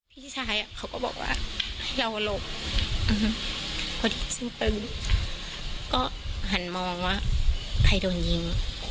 พี่ชายเขาก็บอกว่าเราหลบพอที่ซื้อปืนก็หันมองว่าใครโดนยิง